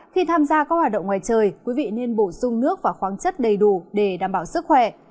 khi tham gia các hoạt động ngoài trời quý vị nên bổ sung nước và khoáng chất đầy đủ để đảm bảo sức khỏe